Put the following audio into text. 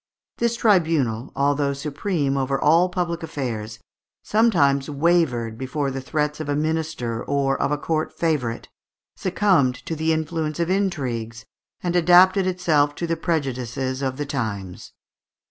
This tribunal, although supreme over all public affairs, sometimes wavered before the threats of a minister or of a court favourite, succumbed to the influence of intrigues, and adapted itself to the prejudices of the times.